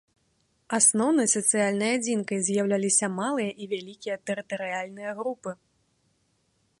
Асноўнай сацыяльнай адзінкай з'яўляліся малыя і вялікія тэрытарыяльныя групы.